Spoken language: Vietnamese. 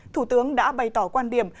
thủ tướng đã bày tỏ quan điểm